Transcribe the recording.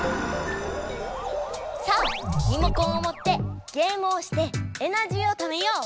さあリモコンをもってゲームをしてエナジーをためよう！